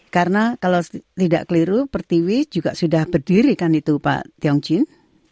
karena kalau tidak keliru per tv juga sudah berdiri kan itu pak tiongjin